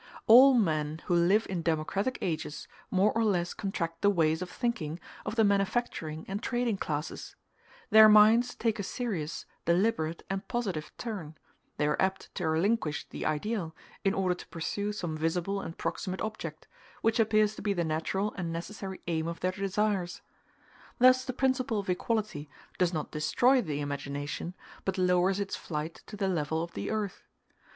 All men who live in democratic ages more or less contract the ways of thinking of the manufacturing and trading classes; their minds take a serious, deliberate, and positive turn; they are apt to relinquish the ideal, in order to pursue some visible and proximate object, which appears to be the natural and necessary aim of their desires. Thus the principle of equality does not destroy the imagination, but lowers its flight to the level of the earth.